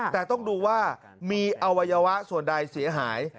แต่ต้องดูว่ามีอวัยวะส่วนใดเสียหาย